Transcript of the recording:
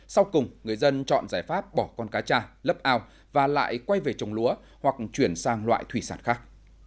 sau cùng người dân chọn giải pháp bỏ con cá cha lấp ao và lại quay về trồng lúa hoặc chuyển sang loại thủy sản khác